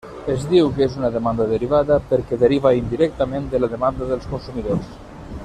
Es diu que és una demanda derivada perquè deriva indirectament de la demanda dels consumidors.